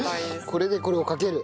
これでこれをかける。